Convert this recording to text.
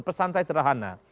pesan saya sederhana